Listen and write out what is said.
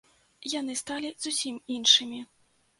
Яны сталі зусім іншымі.